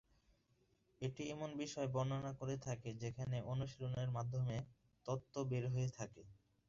এটি এমন বিষয় বর্ণনা করে থাকে, যেখানে অনুশীলনের মাধ্যমে তত্ত্ব বের হয়ে থাকে।